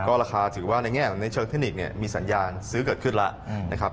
ก็ราคาถือว่าในแง่เชิงเทคนิคมีสัญญาณซื้อเกิดขึ้นแล้ว